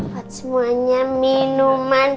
buat semuanya minuman